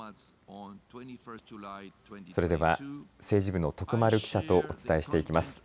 それでは、政治部の徳丸記者とお伝えしていきます。